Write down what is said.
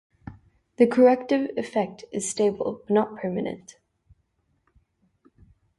The corrective effect is stable but not permanent.